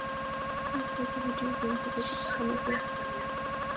অর্থাৎ video game থেকে শিক্ষা নেবে গুগলের ডিপমাইন্ড নামের এআই প্রকল্প।